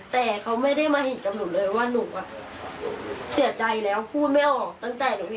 แต่เขาไม่ได้มาเห็นกับหนูเลยว่าหนูเสียใจแล้วพูดไม่ออก